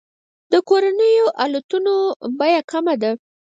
د کورنیو الوتنو بیه کمه ده.